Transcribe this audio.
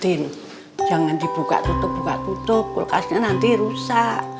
din jangan dibuka tutup tutup kulkasnya nanti rusak